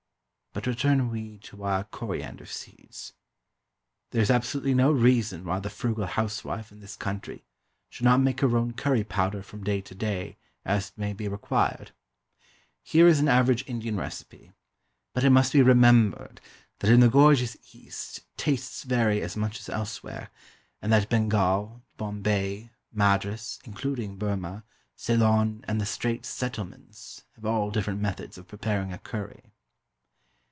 But return we to our coriander seeds. There is absolutely no reason why the frugal housewife in this country should not make her own curry powder from day to day, as it may be required. Here is an average Indian recipe; but it must be remembered that in the gorgeous East tastes vary as much as elsewhere, and that Bengal, Bombay, Madras (including Burmah), Ceylon, and the Straits Settlements, have all different methods of preparing a curry.